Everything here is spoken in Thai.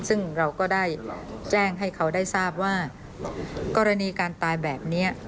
ซึ่งเราก็ได้แจ้งให้เขาได้ทราบว่ากรณีการตายแบบนี้